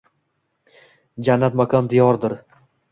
Jannat makon diyordir.